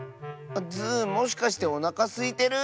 ズーもしかしておなかすいてる？